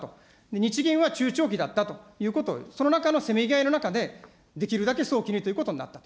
日銀は中長期だったということを、その中のせめぎ合いの中で、できるだけ早期にということになったと。